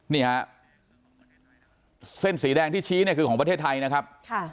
นี่ฮะเส้นสีแดงที่ชี้เนี่ยคือของประเทศไทยนะครับ